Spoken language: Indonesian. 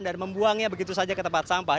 membuangnya begitu saja ke tempat sampah